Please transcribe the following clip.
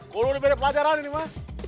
kulur beri pelajaran ini mas